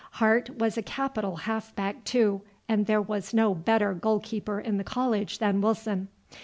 Hart was a capital half back too, and there was no better goal keeper in the college than Wilson.